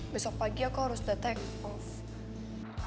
besok pagi aku harus detek off